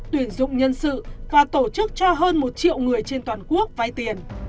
tuyển dụng nhân sự và tổ chức cho hơn một triệu người trên toàn quốc vay tiền